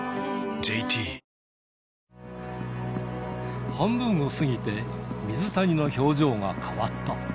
ＪＴ半分を過ぎて水谷の表情が変わった。